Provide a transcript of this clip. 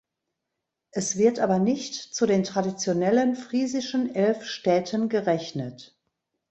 Es wird aber nicht zu den traditionellen friesischen elf Städten gerechnet.